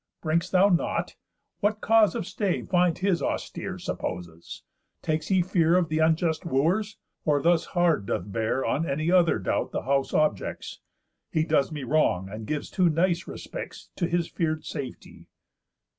Bring'st thou not? What cause of stay Find his austere supposes? Takes he fear Of th' unjust Wooers? Or thus hard doth bear On any other doubt the house objects? He does me wrong, and gives too nice respects To his fear'd safety."